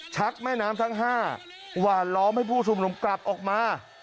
แม่น้ำทั้ง๕หวานล้อมให้ผู้ชุมนุมกลับออกมา